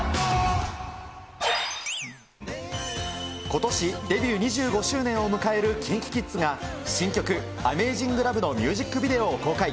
ことし、デビュー２５周年を迎えるＫｉｎｋｉＫｉｄｓが新曲、ＡｍａｚｉｎｇＬｏｖｅのミュージックビデオを公開。